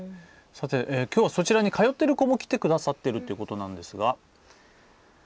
きょうはそちらに通っている子も来てくださっているということですが。